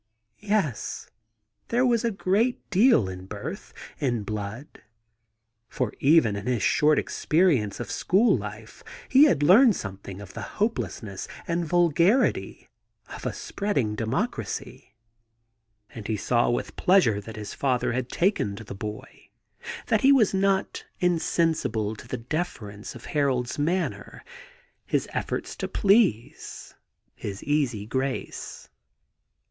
Yes, there was a great deal in birth, in blood! For even in his short experience of school life he had learned something of the hopelessness and vulgarity of a spreading democracy. And he saw with pleasure that his father had taken to the boy. 68 THE GARDEN GOD that he was not insensible to the deference of Harold's manner, his efforts to please, his easy grace.